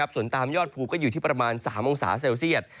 ส่วนตามยอดภูก็อยู่ที่ประมาณ๓องศาเซลเซียต